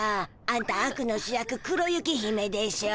あんたあくの主役黒雪姫でしょ。